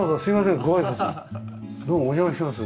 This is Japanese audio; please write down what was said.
どうもお邪魔してます。